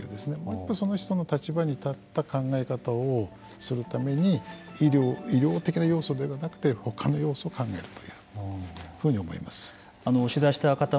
その人の立場に立った考え方をするために医療的な要素ではなくてほかの要素を考えると。